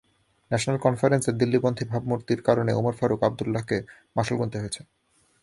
National কনফারেন্সের দিল্লিপন্থী ভাবমূর্তির কারণে ওমর ফারুক আবদুল্লাহকে মাশুল গুনতে হয়েছে।